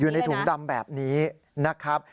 อยู่ในถุงดำแบบนี้นะครับ